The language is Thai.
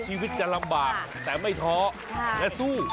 ชีวิตจะลำบากแต่ไม่ท้อและสู้